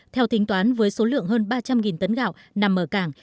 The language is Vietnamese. theo tính toán với số lượng hơn ba trăm linh tấn gạo nằm ở cảng